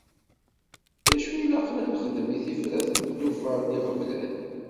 D acu i ilaqen ad nxden i tifrat n tlufa d yiɣeblan?